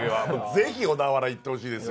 是非小田原行ってほしいですよ。